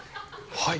はい。